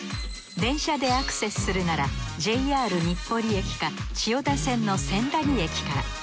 電車でアクセスするならＪＲ日暮里駅か千代田線の千駄木駅から。